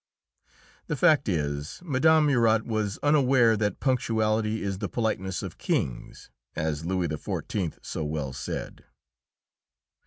The fact is, Mme. Murat was unaware that punctuality is the politeness of kings, as Louis XIV. so well said.